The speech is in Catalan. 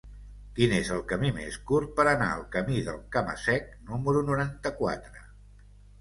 Quin és el camí més curt per anar al camí del Cama-sec número noranta-quatre?